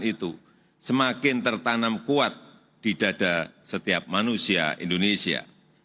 itu semakin tertanam kuat di dada setiap manusia indonesia